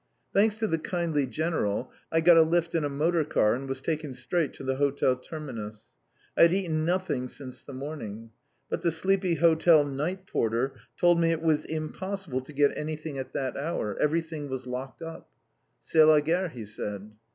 Thanks to the kindly General, I got a lift in a motor car, and was taken straight to the Hotel Terminus. I had eaten nothing since the morning. But the sleepy hotel night porter told me it was impossible to get anything at that hour; everything was locked up; "C'est la guerre!" he said.